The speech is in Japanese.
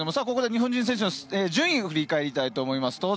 ここで日本人選手の順位を振り返りたいと思います。